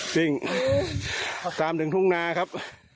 ซึ่งตามถึงทุ่งนาครับ